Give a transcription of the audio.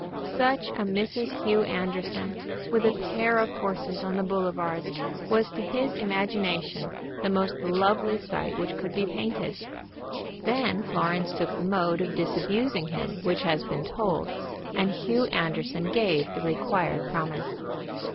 Such a Mrs. Hugh Anderson, with a pair of horses on the boulevards, was to his imagination the most lovely sight which could be painted. Then Florence took the mode of disabusing him which has been told, and Hugh Anderson gave the required promise.